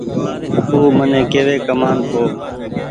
او مني ڪيوي ڪمآن کو